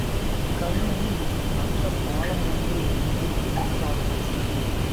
கழியில் நல்ல பாலம் ஒன்று அமைத்து விட்டார்கள்.